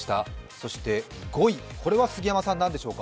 そして５位、これは杉山さん何でしょうか？